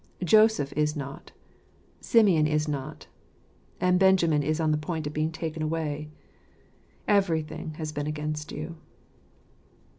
Joseph is not; Simeon is not; and Benjamin is on the point of being taken away. Everything has been against you.